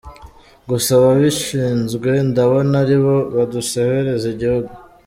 Gusa ababishinzwe ndabona aribo badusebereza igihugu.